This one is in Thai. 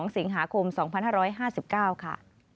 ๒สิงหาคม๒๕๕๙ค่ะ